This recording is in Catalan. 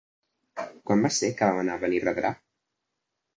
Quan va ser que vam anar a Benirredrà?